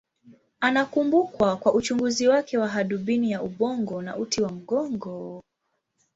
Anakumbukwa kwa uchunguzi wake wa hadubini wa ubongo na uti wa mgongo.